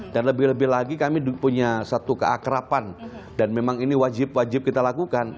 dan lebih lebih lagi kami punya satu keakrapan dan memang ini wajib wajib kita lakukan